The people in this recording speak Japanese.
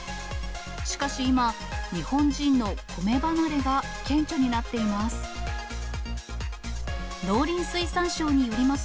しかし今、日本人の米離れが顕著になっています。